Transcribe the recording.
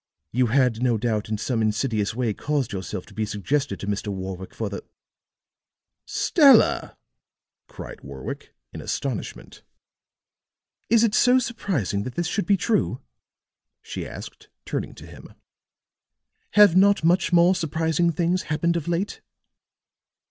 You had no doubt in some insidious way caused yourself to be suggested to Mr. Warwick for the " "Stella!" cried Warwick, in astonishment. "Is it so surprising that this should be true?" she asked turning to him. "Have not much more surprising things happened of late?"